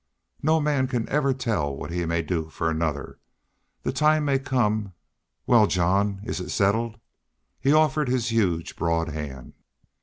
"No man can ever tell what he may do for another. The time may come well, John, is it settled?" He offered his huge broad hand.